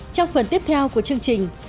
trong phần tiếp theo của chương trình